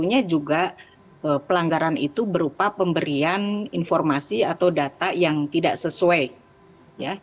dan akhirnya juga pelanggaran itu berupa pemberian informasi atau data yang tidak sesuai ya